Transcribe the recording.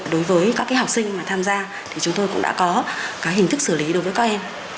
đối với các học sinh mà tham gia thì chúng tôi cũng đã có hình thức xử lý đối với các em